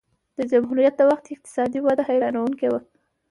د جمهوریت د وخت اقتصادي وده حیرانوونکې وه.